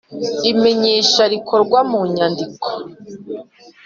Imenyesha rikorwa mu nyandiko